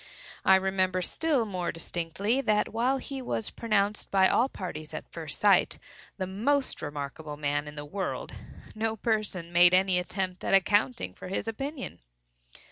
I remember still more distinctly, that while he was pronounced by all parties at first sight "the most remarkable man in the world," no person made any attempt at accounting for his opinion.